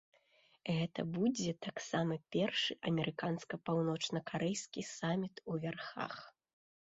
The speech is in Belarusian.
Гэта будзе таксама першы амерыканска-паўночнакарэйскі саміт у вярхах.